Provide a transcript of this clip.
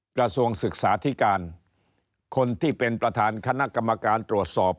กระทรวงศึกษาธิการคนที่เป็นประธานคณะกรรมการตรวจสอบ